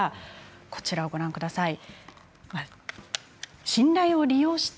こちらをご覧ください。